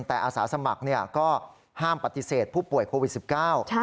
แต่อาสาสมัครก็ห้ามปฏิเสธผู้ป่วยโควิด๑๙